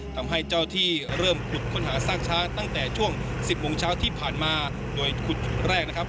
ทำให้เจ้าที่เริ่มขุดค้นหาซากช้างตั้งแต่ช่วงสิบโมงเช้าที่ผ่านมาโดยขุดจุดแรกนะครับ